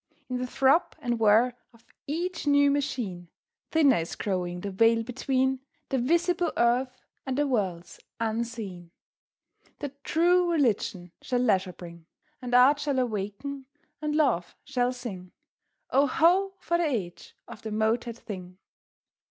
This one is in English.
In the throb and whir of each new machine Thinner is growing the veil between The visible earth and the worlds unseen. The True Religion shall leisure bring; And Art shall awaken and Love shall sing: Oh, ho! for the age of the motored thing!